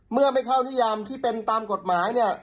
เมื่อไปเข้าที่ยามที่เป็นตามกฎหมาย